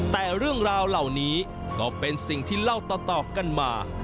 แต่เรื่องราวเหล่านี้ก็เป็นสิ่งที่เล่าต่อกันมา